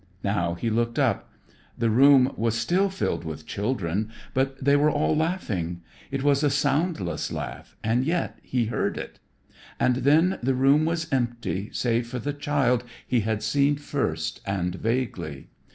Now he looked up. The room was still filled with children, but they were all laughing. It was a soundless laugh, and yet he heard it. And then the room was empty save for the child he had seen first and vaguely.